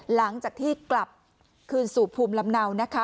หลังจากที่กลับคืนสู่ภูมิลำเนานะคะ